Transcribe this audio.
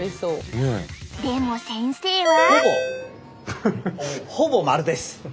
でも先生は！